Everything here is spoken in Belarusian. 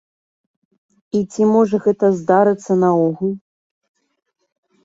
І ці можа гэта здарыцца наогул?